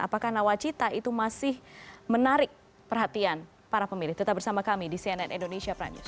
apakah nawacita itu masih menarik perhatian para pemilih tetap bersama kami di cnn indonesia prime news